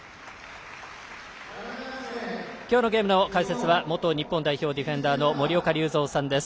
今日のゲームの解説は元日本代表ディフェンダーの森岡隆三さんです。